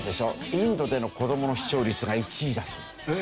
インドでの子どもの視聴率が１位だそうです。